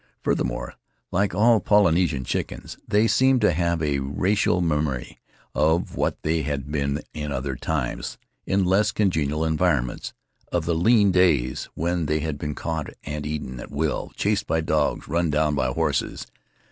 Furthermore, like all Polynesian chickens, they seemed to have a racial memory of what they had been in other times, in less congenial environments — of the lean days when they had been caught and eaten at will, chased by dogs, run down by horses.